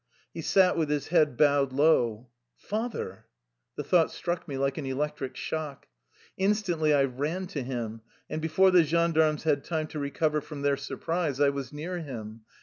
He sat with his head bowed low. " Father !" The thought struck me like an electric shock. Instantly I ran to him, and before the gendarmes had time to re cover from their surprise, I was near him.